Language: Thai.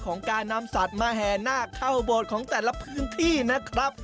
ของการนำสัตว์มาแห่นาคเข้าโบสถ์ของแต่ละพื้นที่นะครับ